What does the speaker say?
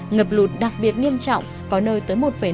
ngập lụt đặc biệt nghiêm trọng